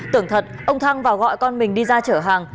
tưởng thật ông thăng vào gọi con mình đi ra chở hàng